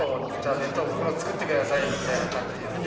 弁当僕の作ってくださいみたいな感じで言って。